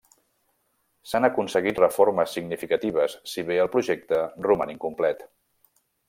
S'han aconseguit reformes significatives, si bé el projecte roman incomplet.